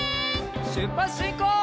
しゅっぱつしんこう！